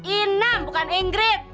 inem bukan ingrid